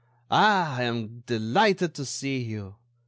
Ah! I am delighted to see you.